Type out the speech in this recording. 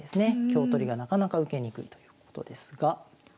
香取りがなかなか受けにくいということですが。